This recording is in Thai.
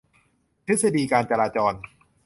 ทฤษฎีการจราจร